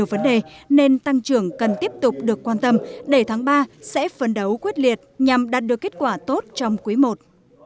vấn đề nên tăng trưởng cần tiếp tục được quan tâm để tháng ba sẽ phấn đấu quyết liệt nhằm đạt được kết quả tốt trong quý i